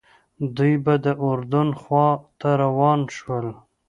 دوی به د اردن خواته روان شول.